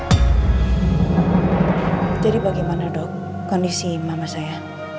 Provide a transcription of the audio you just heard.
hai saya jadi bagaimana dok kondisi mama saya